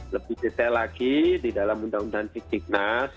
lebih detail lagi di dalam undang undang siktiknas